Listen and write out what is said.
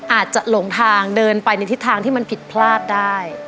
หลงทางเดินไปในทิศทางที่มันผิดพลาดได้